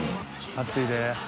熱いで。